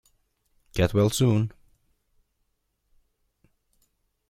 Get well soon!